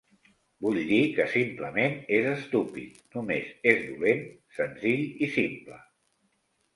Vull dir que simplement és estúpid, només és dolent, senzill i simple.